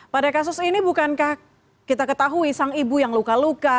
pada kasus ini bukankah kita ketahui sang ibu yang luka luka